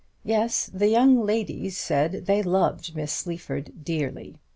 Yes, the young ladies said, they loved Miss Sleaford dearly.